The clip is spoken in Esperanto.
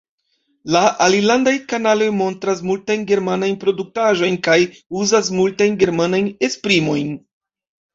La alilandaj kanaloj montras multajn germanajn produktaĵojn kaj uzas multajn germanajn esprimojn.